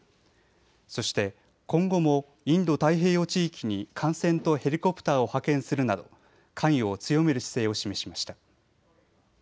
そして今後もインド太平洋地域に艦船とヘリコプターを派遣するなど関与を強める姿勢を示しました。